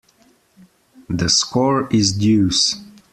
The score is deuce.